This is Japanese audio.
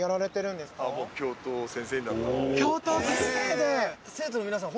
「教頭先生で！」